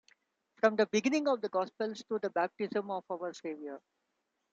From the beginning of the Gospels to the Baptism of our Saviour.